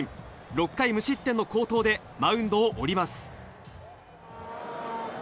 ６回無失点の好投でマウンドを降ります。